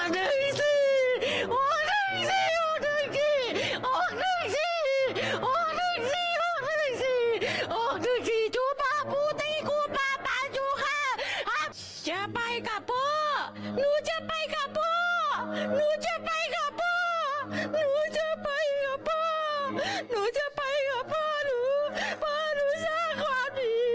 พ่อรู้พ่อรู้จักความดีทำไมเป็นน่ะนี่